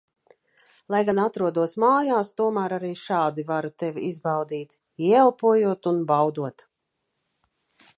Lai gan atrodos mājās, tomēr arī šādi varu Tevi izbaudīt, ieelpojot un baudot.